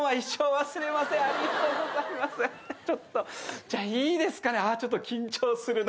ちょっとじゃいいですかねああちょっと緊張するな。